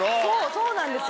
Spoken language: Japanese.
そうなんですよ。